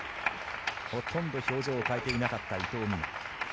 ほとんど表情を変えていなかった伊藤美誠。